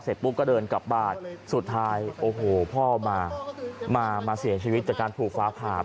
ปุ๊บก็เดินกลับบ้านสุดท้ายโอ้โหพ่อมามาเสียชีวิตจากการถูกฟ้าผ่า